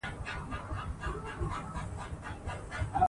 تالابونه د افغانستان د ښاري پراختیا سبب کېږي.